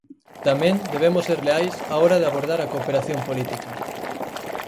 Tamén debemos ser leais á hora de abordar a cooperación política.